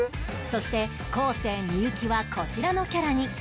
そして昴生幸はこちらのキャラに